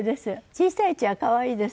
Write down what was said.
小さいうちは可愛いです。